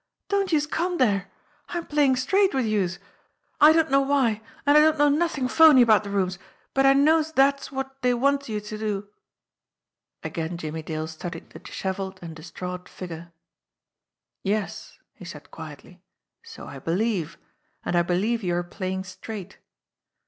"Don't youse MOTHER MARGOT 63 come dere! I'm playin' straight wid youse. I don't know why, an' I don't know nothin' phoney about de rooms, but I knows dat's wot dey wants youse to do." Again Jimmie Dale studied the dishevelled and distraught creature. "Yes," he said quietly, "so I believe, and I believe you are playing straight.